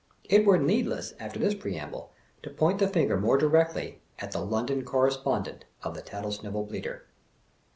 It were needless, after this preamble, to point the finger more directly at the London Correspondent of The Tattlesnivel Bleater.